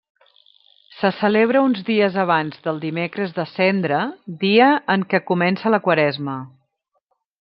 Se celebra uns dies abans del Dimecres de Cendra, dia en què comença la Quaresma.